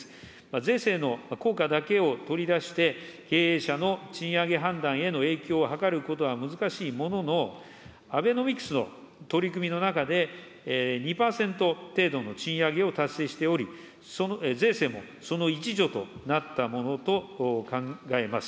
税制の効果だけを取り出して、経営者の賃上げ判断への影響を図ることは難しいものの、アベノミクスの取り組みの中で、２％程度の賃上げを達成しており、税制もその一助となったものと考えます。